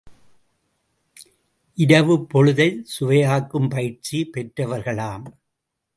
இரவுப் பொழுதைச் சுவையாக்கும் பயிற்சி பெற்றவர்களாம்.